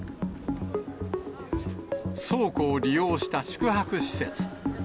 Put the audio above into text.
倉庫を利用した宿泊施設。